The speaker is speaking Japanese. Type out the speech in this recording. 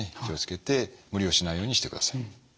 気を付けて無理をしないようにしてください。